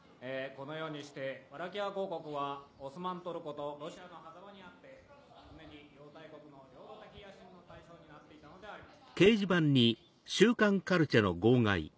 このようにしてワラキア公国はオスマントルコとロシアのはざまにあって常に両大国の領土的野心の対象になっていたのであります。